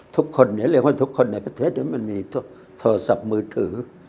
ทุกคนเรียกว่าทุกคนในประเทศมันมีโทรศัพท์มือถือ